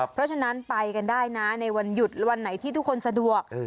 เพราะฉะนั้นไปกันได้นะในวันหยุดวันไหนที่ทุกคนสะดวก